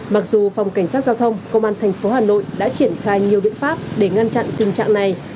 mặc dù phòng cảnh sát giao thông công an thành phố hà nội đã triển khai nhiều biện pháp để ngăn chặn tình trạng này